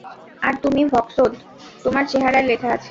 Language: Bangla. আর তুমি ভক্সোদ, তোমার চেহারায় লেখা আছে।